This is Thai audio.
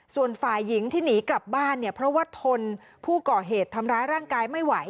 ส่วนฝ่ายหญิงที่หนีกลับบ้านเนี่ยเพราะว่าทนผู้ก่อเหตุทำร้ายร่างกายไม่ไหว